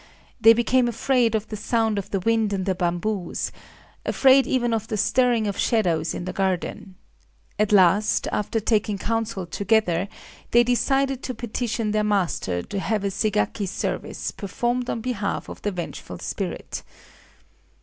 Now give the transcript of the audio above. They became afraid of the sound of the wind in the bamboos,—afraid even of the stirring of shadows in the garden. At last, after taking counsel together, they decided to petition their master to have a Ségaki service (2) performed on behalf of the vengeful spirit.